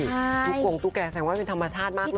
ทุกกงตุ๊กแกแสดงว่าเป็นธรรมชาติมากเลย